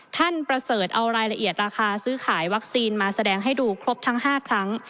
ประเสริฐเอารายละเอียดราคาซื้อขายวัคซีนมาแสดงให้ดูครบทั้ง๕ครั้ง